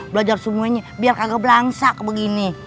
belajar semuanya biar kagak berlangsak begini